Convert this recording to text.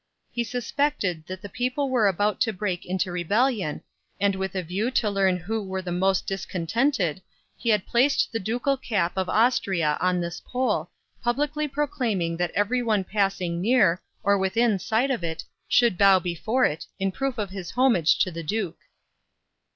He suspected that the people were about to break into rebellion, and with a view to learn who were the most discontented, he had placed the ducal cap of Austria on this pole, publicly proclaiming that every one passing near, or within sight of it, should bow before it, in proof of his homage to the duke.